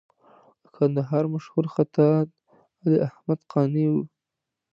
د کندهار مشهور خطاط علي احمد قانع و.